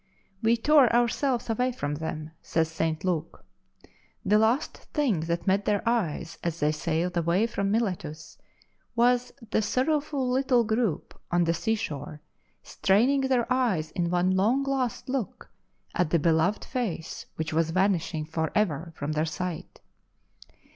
"We tore ourselves away from them," says St. Luke. The last thing that met their eyes as they sailed away from Miletus was the sorrowful little group on the seashore straining their eyes in one long last look at the beloved face which was vanishing for ever from their sight.